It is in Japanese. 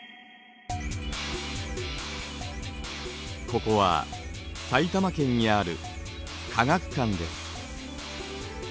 ここは埼玉県にある科学館です。